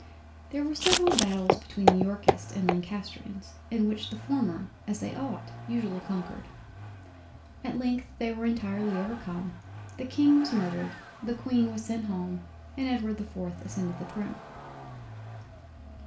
There were several Battles between the Yorkists and Lancastrians, in which the former (as they ought) usually conquered. At length they were entirely overcome; The King was murdered—The Queen was sent home—and Edward the 4th ascended the Throne.